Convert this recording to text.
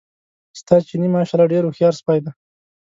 ستا چیني ماشاءالله ډېر هوښیار سپی دی.